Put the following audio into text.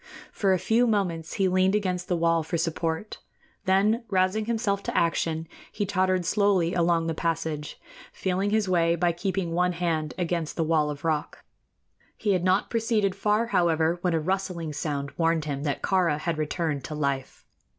For a few moments he leaned against the wall for support; then, rousing himself to action, he tottered slowly along the passage, feeling his way by keeping one hand against the wall of rock. He had not proceeded far, however, when a rustling sound warned him that Kāra had returned to life.